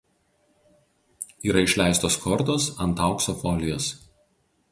Yra išleistos kortos ant aukso folijos.